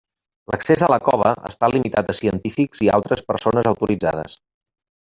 L'accés a la cova està limitat a científics i altres persones autoritzades.